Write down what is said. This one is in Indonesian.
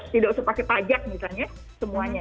tidak usah pakai pajak misalnya semuanya